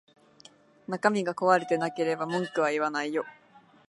中身が壊れてなければ文句は言わないよ